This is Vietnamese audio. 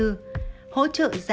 hỗ trợ giảm nguy cơ ung thư